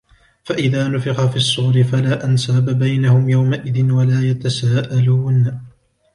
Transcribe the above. فإذا نفخ في الصور فلا أنساب بينهم يومئذ ولا يتساءلون